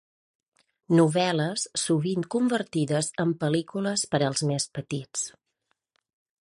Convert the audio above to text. Novel·les sovint convertides en pel·lícules per als més petits.